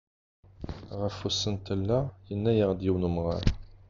Ɣef usentel-a, yenna-aɣ-d yiwen n umɣar.